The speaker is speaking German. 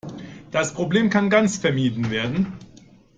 Das Problem kann ganz vermieden werden.